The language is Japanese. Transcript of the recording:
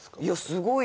すごい。